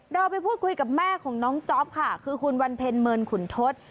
เราไปพูดคุยกับแม่ของน้องจ๊อปค่ะคือคุณวันเพ็ญเมินขุนทศ